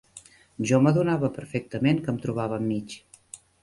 Jo m'adonava perfectament que em trobava enmig